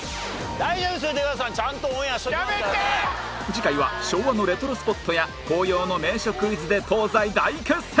次回は昭和のレトロスポットや紅葉の名所クイズで東西大決戦！